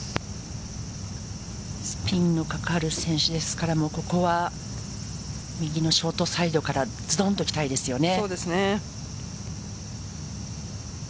スピンのかかる選手ですからここは右のショートサイドからずどんといきたいですよね。